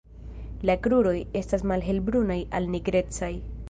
La kruroj estas malhelbrunaj al nigrecaj.